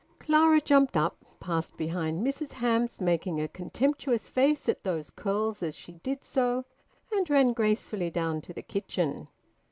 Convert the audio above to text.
Clara jumped up, passed behind Mrs Hamps, making a contemptuous face at those curls as she did so, and ran gracefully down to the kitchen.